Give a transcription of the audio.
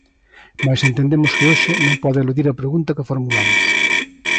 Mais entendemos que hoxe non pode eludir a pregunta que formulamos.